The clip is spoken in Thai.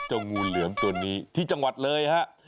งูเหลือมตัวนี้ที่จังหวัดเลยฮะ